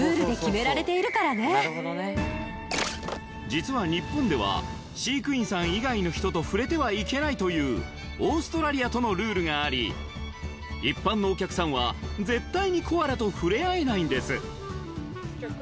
実は日本では飼育員さん以外の人と触れてはいけないというオーストラリアとのルールがあり一般のお客さんは絶対にコアラと触れ合えないんです